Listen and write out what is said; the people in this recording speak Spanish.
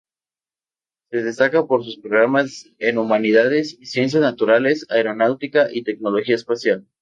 Se destaca por sus programas en humanidades, ciencias naturales, aeronáutica y tecnología espacial.